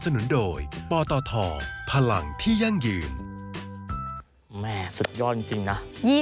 สุดยอดจริงนะ